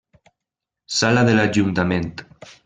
Sala de l'Ajuntament.